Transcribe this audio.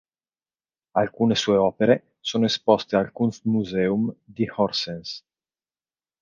Alcune sue opere sono esposte al "Kunstmuseum" di Horsens.